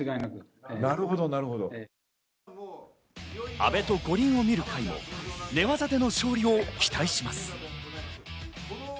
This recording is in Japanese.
「阿部と五輪を見る会」も寝技での勝利を期待します。